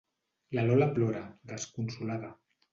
La Lola plora, desconsolada.